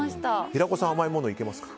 平子さん甘いものいけますか？